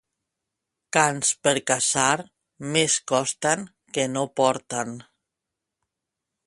Cans per caçar, més costen que no porten.